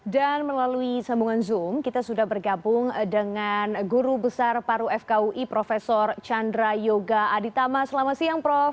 dan melalui sambungan zoom kita sudah bergabung dengan guru besar paru fkui prof chandra yoga aditama selamat siang prof